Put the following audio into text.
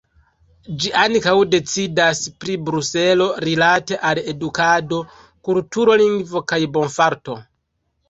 Ĝi ankaŭ decidas pri Bruselo rilate al edukado, kulturo, lingvo kaj bonfarto.